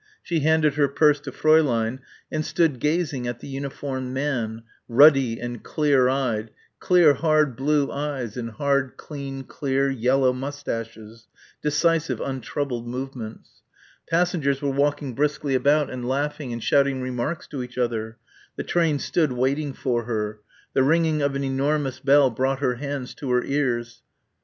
She handed her purse to Fräulein and stood gazing at the uniformed man ruddy and clear eyed clear hard blue eyes and hard clean clear yellow moustaches decisive untroubled movements. Passengers were walking briskly about and laughing and shouting remarks to each other. The train stood waiting for her. The ringing of an enormous bell brought her hands to her ears.